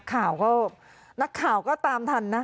แต่นักข่าวก็ตามทันนะ